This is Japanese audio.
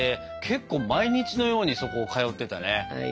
けっこう毎日のようにそこ通ってたね。